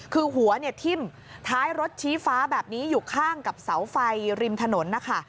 คือหัวเนี่ยทิ้มท้ายรถชี้ฟ้าแบบนี้อยู่ข้างกับเสาไฟริมถนนนะคะ